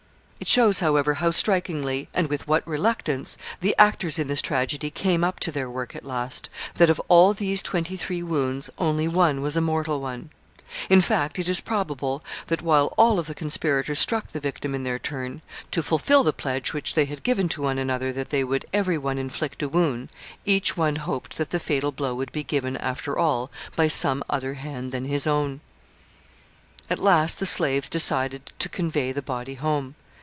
It shows, however, how strikingly, and with what reluctance, the actors in this tragedy came up to their work at last, that of all these twenty three wounds only one was a mortal one. In fact, it is probable that, while all of the conspirators struck the victim in their turn, to fulfill the pledge which they had given to one another that they would every one inflict a wound, each one hoped that the fatal blow would be given, after all, by some other hand than his own. [Sidenote: His slaves convey his body home.] At last the slaves decided to convey the body home.